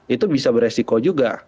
itu bisa beresiko juga